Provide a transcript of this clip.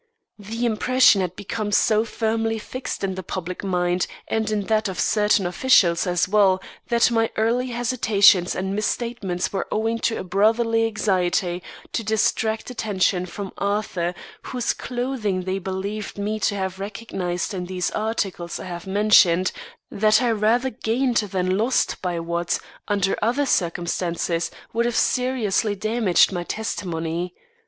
The impression had become so firmly fixed in the public mind and in that of certain officials as well, that my early hesitations and misstatements were owing to a brotherly anxiety to distract attention from Arthur whose clothing they believed me to have recognised in these articles I have mentioned that I rather gained than lost by what, under other circumstances would have seriously damaged my testimony.